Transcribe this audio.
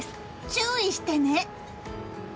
注意してね。